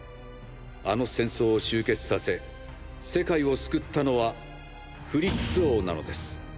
あの戦争を終結させ世界を救ったのはフリッツ王なのです。